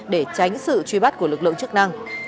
để tránh sự truy bắt của lực lượng chức năng